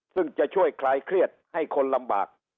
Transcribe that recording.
ซึ่งจะช่วยคลายเครียดให้คนลำบาก